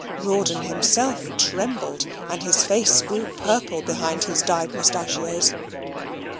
Rawdon himself trembled, and his face grew purple behind his dyed mustachios.